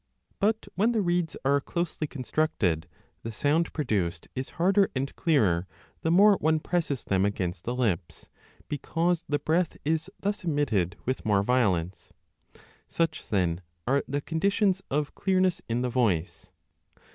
But when the reeds are closely constructed, 3 the sound produced is harder and clearer, the more one presses them against the lips, because the breath is thus emitted with more violence. Such, then, are the conditions of clearness 40 in the voice.